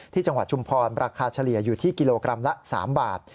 จังหวัดชุมพรราคาเฉลี่ยอยู่ที่กิโลกรัมละ๓บาท